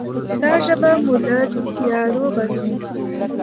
دا ژبه مو له تیارو باسي.